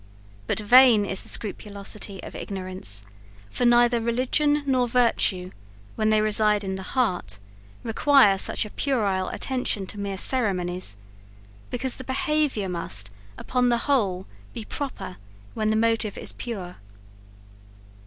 But vain is the scrupulosity of ignorance, for neither religion nor virtue, when they reside in the heart, require such a puerile attention to mere ceremonies, because the behaviour must, upon the whole be proper, when the motive is pure.